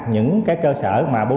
những cái cơ sở mà bán yến